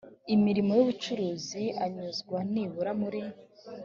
imirimo y ubucuruzi anyuzwa nibura muri